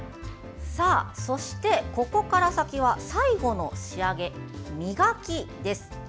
そして、ここから先は最後の仕上げ、磨きです。